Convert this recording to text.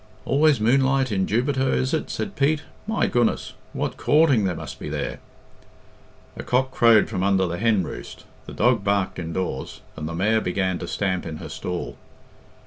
"Always moonlight in Jubiter, is it?" said Pete. "My goodness! What coorting there must be there!" A cock crowed from under the hen roost, the dog barked indoors, and the mare began to stamp in her stall.